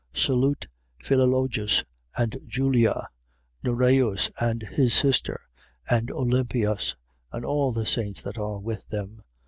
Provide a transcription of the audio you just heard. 16:15. Salute Philologus and Julia, Nereus and his sister, and Olympias: and all the saints that are with them.